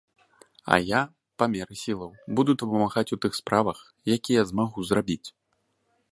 А я, па меры сілаў, буду дапамагаць у тых справах, якія змагу зрабіць.